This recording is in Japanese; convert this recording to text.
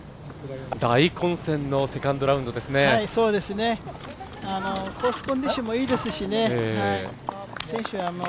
大混戦のセカンドラウンドですね。